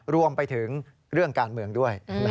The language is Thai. รวมไปถึงเรื่องการเมืองด้วย